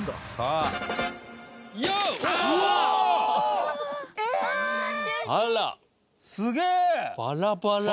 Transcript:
あら！